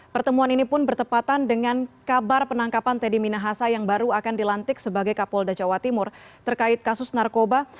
pertemuan ini pun bertepatan dengan kabar penangkapan teddy minahasa yang baru akan dilantik sebagai kapolda jawa timur terkait kasus narkoba